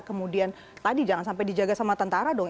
kemudian tadi jangan sampai dijaga sama tentara dong